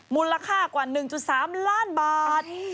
มูลค่ากว่า๑๓ล้านบาท